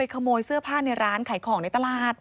ขโมยเสื้อผ้าในร้านขายของในตลาด